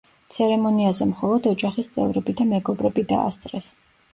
ცერემონიაზე მხოლოდ ოჯახის წევრები და მეგობრები დაასწრეს.